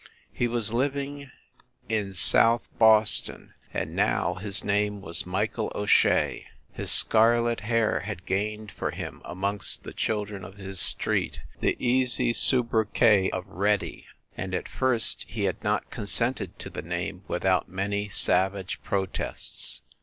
He was living in South PROLOGUE 3 Boston, and now his name was Michael O Shea. His scarlet hair had gained for him amongst the children of his street the easy sobriquet of "Reddy" ; and at first he had not consented to the name with out many savage protests.